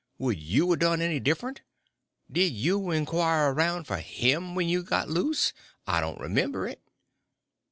Would you a done any different? Did you inquire around for him when you got loose? I don't remember it."